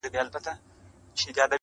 چي مین پر ګل غونډۍ پر ارغوان وم -